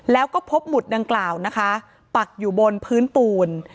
แล้วก็พบหมุดดังกล่าวนะคะปักอยู่บนพื้นปูน